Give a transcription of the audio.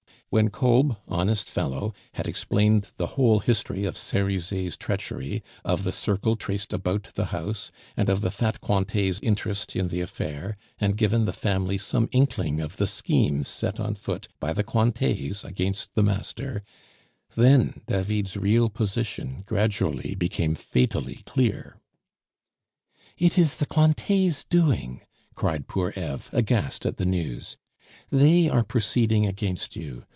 When Kolb, honest fellow, had explained the whole history of Cerizet's treachery, of the circle traced about the house, and of the fat Cointet's interest in the affair, and given the family some inkling of the schemes set on foot by the Cointets against the master, then David's real position gradually became fatally clear. "It is the Cointet's doing!" cried poor Eve, aghast at the news; "they are proceeding against you!